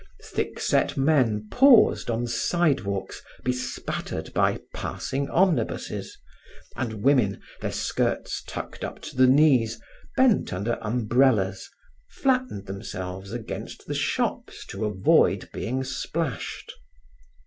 Thickset men paused on sidewalks bespattered by passing omnibuses, and women, their skirts tucked up to the knees, bent under umbrellas, flattened themselves against the shops to avoid being splashed.